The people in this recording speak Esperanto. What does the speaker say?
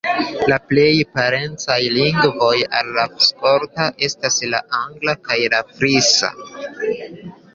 La plej parencaj lingvoj al la skota estas la angla kaj la frisa.